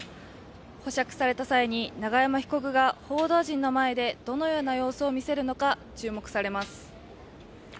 保釈された際に永山被告が報道陣の前でどのような様子を見せるのか、注目されます。